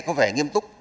có vẻ nghiêm túc